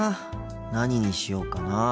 何にしようかなあ。